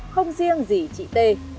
không riêng gì trị tê